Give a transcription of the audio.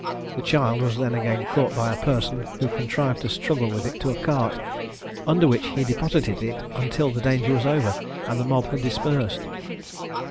The child was then again caught by a person, who contrived to struggle with it to a cart, under which he deposited it until the danger was over, and the mob had dispersed.